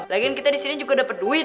lagi kita disini juga dapet duit